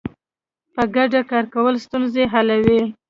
په ګډه کار کول ستونزې حلوي.